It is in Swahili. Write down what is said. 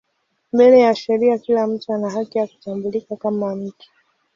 Mbele ya sheria kila mtu ana haki ya kutambulika kama mtu.